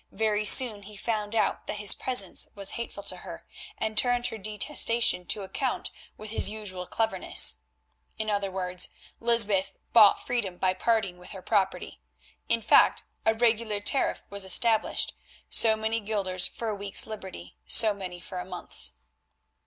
Very soon he found out that his presence was hateful to her, and turned her detestation to account with his usual cleverness. In other words, Lysbeth bought freedom by parting with her property—in fact, a regular tariff was established, so many guilders for a week's liberty, so many for a month's.